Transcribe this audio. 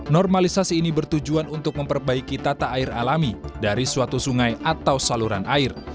normalisasi ini bertujuan untuk memperbaiki tata air alami dari suatu sungai atau saluran air